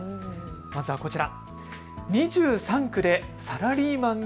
まずはこちら。